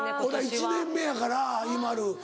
１年目やからＩＭＡＬＵ。